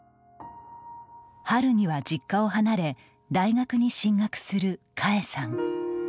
春には実家を離れ大学に進学する華恵さん。